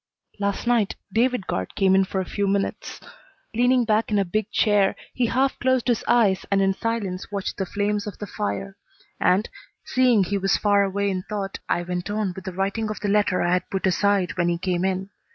Last night David Guard came in for a few minutes. Leaning back in a big chair, he half closed his eyes and in silence watched the flames of the fire, and, seeing he was far away in thought, I went on with the writing of the letter I had put aside when he came in.